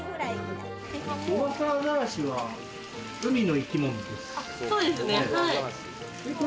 ゴマフアザラシは海の生き物ですよね？